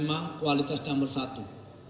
memang kualitasnya bersatu